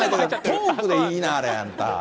トークで言いなはれ、あんた。